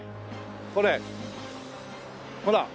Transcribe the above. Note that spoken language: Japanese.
これほら。